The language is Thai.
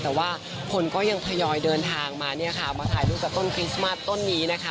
แต่ว่าคนก็ยังทยอยเดินทางมาเนี่ยค่ะมาถ่ายรูปกับต้นคริสต์มัสต้นนี้นะคะ